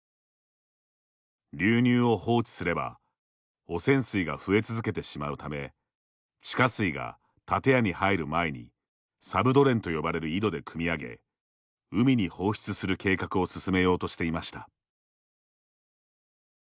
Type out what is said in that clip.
流入を放置すれば汚染水が増え続けてしまうため地下水が建屋に入る前にサブドレンと呼ばれる井戸でくみ上げ海に放出する計画を進めようとしていました。